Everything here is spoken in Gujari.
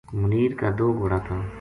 منیر کا دو گھوڑا تھا